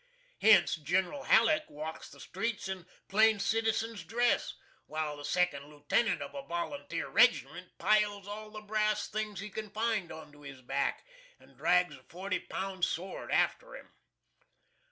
Hence Gin'ral HALLECK walks the streets in plain citizen's dress, while the second lieutenant of a volunteer regiment piles all the brass things he can find onto his back, and drags a forty pound sword after him.